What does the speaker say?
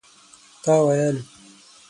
تا ويل